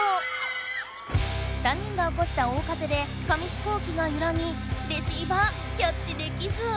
３人がおこした大風で紙飛行機がゆらぎレシーバーキャッチできず。